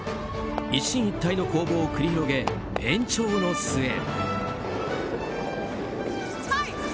一進一退の攻防を繰り広げ延長の末。